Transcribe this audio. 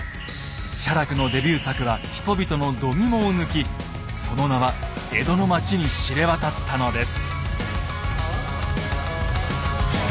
写楽のデビュー作は人々のどぎもを抜きその名は江戸の町に知れ渡ったのです。